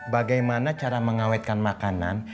bagaimana cara mengawetkan makanan